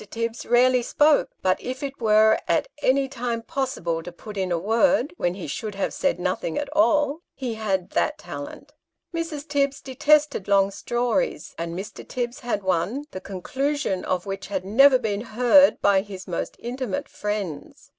Tibbs rarely spoko ; but, if it were at any time possible to put in a word, when he should have said nothing at all, he had that talent. Mrs. Tibbs detested long stories, and Mr. Tibbs had one, the conclusion of which had never been heard by his most intimate friends.